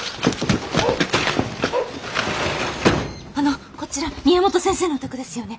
あのこちら宮本先生のお宅ですよね？